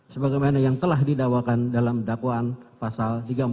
sebagai yang telah didawakan dalam dakwaan pasal tiga ratus empat puluh kuhp